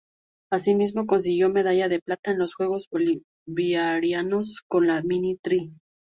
Así mismo consiguió medalla de Plata en los Juegos Bolivarianos con la "Mini Tri".